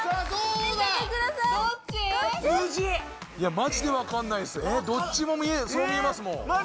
マジで分かんないっすどっちもそう見えますもんマジ